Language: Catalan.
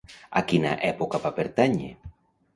A quina època va pertànyer?